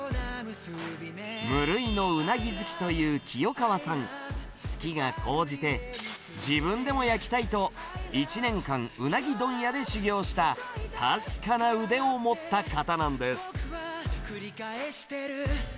無類のうなぎ好きという清川さん、好きが高じて、自分でも焼きたいと、１年間、うなぎ問屋で修業した確かな腕を持った方なんです。